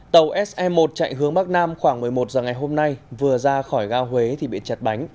tàu se một chạy hướng bắc nam khoảng một mươi một h ngày hôm nay vừa ra khỏi ga huế thì bị chật bánh